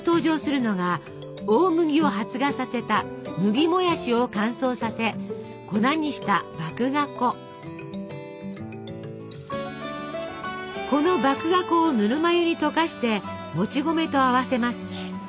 この麦芽粉をぬるま湯に溶かしてもち米と合わせます。